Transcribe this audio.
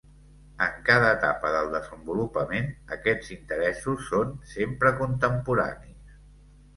En cada etapa del desenvolupament, aquests interessos són sempre contemporanis.